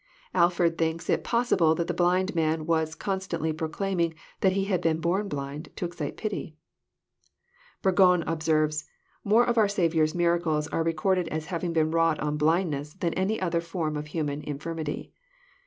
Alford thinks it possible that the blind man was constantly proclaiming that he had been born blind, to excite pity. Bargon observes :More of our Saviour's miracles are re corded as having been wrought on blindness than on any other form of human infirmity.